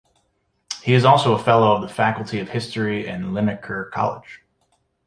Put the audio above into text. He is also a fellow of the Faculty of History and Linacre College.